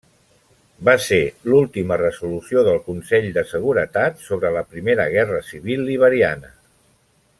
Va ser l'última resolució del Consell de Seguretat sobre la Primera Guerra Civil liberiana.